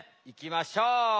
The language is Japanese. いきましょう！